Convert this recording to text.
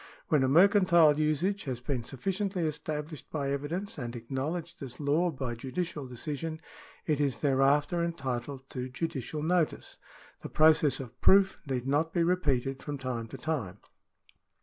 When a mercantile usage has been sufficiently established by evidence and acknowledged as law by judicial decision, it is thereafter entitled to judicial notice. The process of proof need not be repeated from time to time.